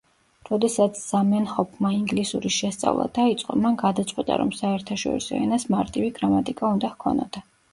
როდესაც ზამენჰოფმა ინგლისურის შესწავლა დაიწყო, მან გადაწყვიტა, რომ საერთაშორისო ენას მარტივი გრამატიკა უნდა ჰქონოდა.